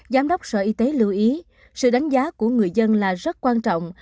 giám đốc sở y tế lưu ý sự đánh giá của người dân là rất quan trọng